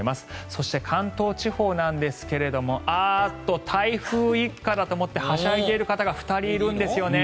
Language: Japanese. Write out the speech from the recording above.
そして、関東地方なんですがあっと、台風一過だと思ってはしゃいでいる方が２人いるんですよね。